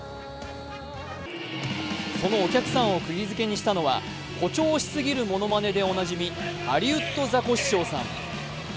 そのお客さんをくぎづけにしたのは、誇張しすぎるものまねでおなじみ、ハリウッドザコシショウさん。